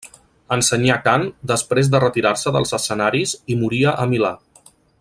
Ensenyà cant després de retirar-se dels escenaris i moria a Milà.